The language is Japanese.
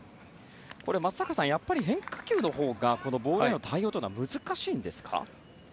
松坂さん、変化球のほうがボールへの対応というのは難しいんですか？